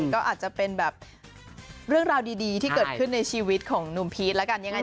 ก็อาจจะเป็นแบบเรื่องราวดีที่เกิดขึ้นในชีวิตของหนุ่มพีชแล้วกันยังไง